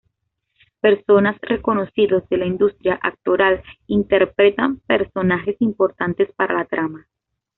Personas reconocidos de la industria actoral interpretan personajes importantes para la trama.